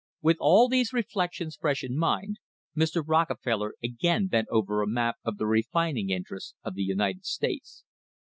With all these reflections fresh in mind, Mr. Rockefeller again bent over a map of the refining interests of the United States.